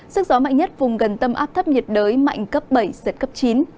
sức gió mạnh nhất vùng gần tâm áp thấp nhiệt đới mạnh cấp bảy giật cấp chín